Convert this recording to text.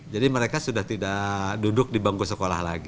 jadi mereka sudah tidak duduk